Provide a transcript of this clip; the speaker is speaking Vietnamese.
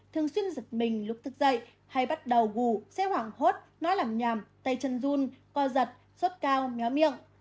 thường xuyên giật mình lúc thức dậy hay bắt đầu gủ xe hoảng hốt nói làm nhảm tay chân run co giật sốt cao méo miệng